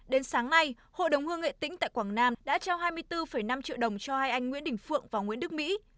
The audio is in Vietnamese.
đến sáng nay hội đồng hương nghệ tĩnh tại quảng nam đã trao hai mươi bốn năm triệu đồng cho hai anh nguyễn đình phượng và nguyễn đức mỹ